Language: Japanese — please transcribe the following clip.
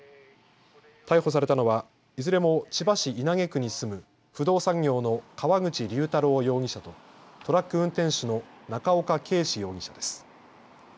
逮捕されたのはいずれも千葉市稲毛区に住む不動産業の川口龍太郎容疑者とトラック運転手の中岡敬志容疑者です。